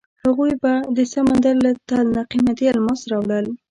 هغوی به د سمندر له تل نه قیمتي الماس راوړل.